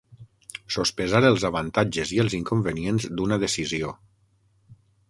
Sospesar els avantatges i els inconvenients d'una decisió.